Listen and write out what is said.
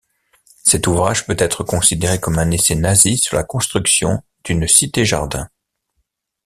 Cet ouvrage peut être considéré comme un essai nazi sur la construction d’une cité-jardin.